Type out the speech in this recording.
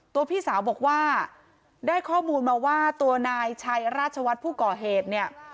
พี่สาวบอกว่าได้ข้อมูลมาว่าตัวนายชัยราชวัฒน์ผู้ก่อเหตุเนี่ย